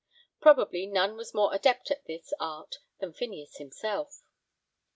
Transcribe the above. Probably none was more adept in this art than Phineas himself.